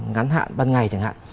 ngắn hạn ban ngày chẳng hạn